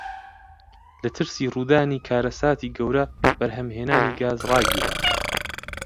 لە ترسی ڕوودانی کارەساتی گەورە بەرهەمهێنانی گاز ڕاگیرا.